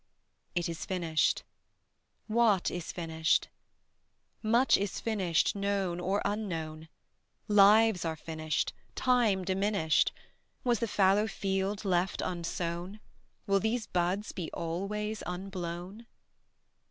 It is finished. What is finished? Much is finished known or unknown: Lives are finished; time diminished; Was the fallow field left unsown? Will these buds be always unblown?